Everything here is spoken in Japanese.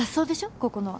ここのは。